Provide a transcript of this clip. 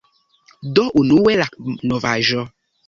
Do unue la novaĵo